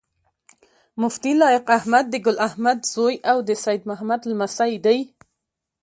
مفتي لائق احمد د ګل احمد زوي او د سيد محمد لمسی دی